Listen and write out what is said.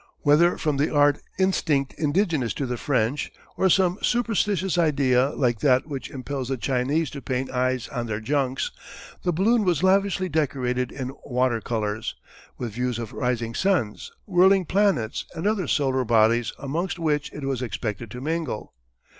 Whether from the art instinct indigenous to the French, or some superstitious idea like that which impels the Chinese to paint eyes on their junks, the balloon was lavishly decorated in water colours, with views of rising suns, whirling planets, and other solar bodies amongst which it was expected to mingle.